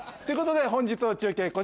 ということで本日の中継